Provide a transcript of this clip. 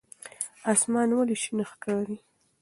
اسمان ولې شین ښکاري؟